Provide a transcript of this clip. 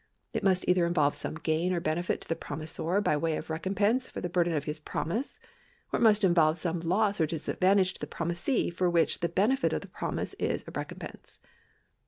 It must either involve some gain or benefit to the promisor by way of recompense for the burden of his promise, or it must involve some loss or disadvantage to the promisee for which the benefit of the promise is a recompense.